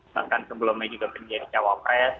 bahkan sebelumnya juga menjadi cawapres